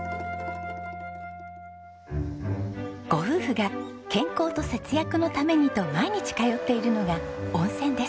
ご夫婦が健康と節約のためにと毎日通っているのが温泉です。